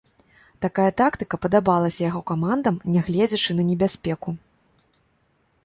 Такая тактыка падабалася яго камандам, нягледзячы на небяспеку.